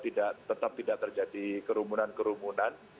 tetap tidak terjadi kerumunan kerumunan